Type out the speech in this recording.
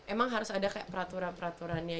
emang harus ada kayak peraturan peraturannya